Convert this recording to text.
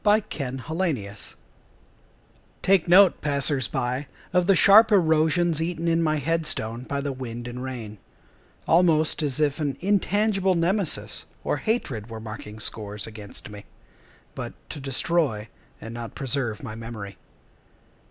The Circuit Judge Take note, passers by, of the sharp erosions Eaten in my head stone by the wind and rain— Almost as if an intangible Nemesis or hatred Were marking scores against me, But to destroy, and not preserve, my memory.